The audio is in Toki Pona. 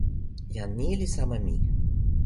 jan ni li sama mi.